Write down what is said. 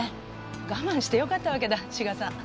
我慢してよかったわけだ志賀さん。